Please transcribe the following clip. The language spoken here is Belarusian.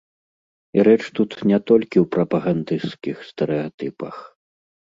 І рэч тут не толькі ў прапагандысцкіх стэрэатыпах.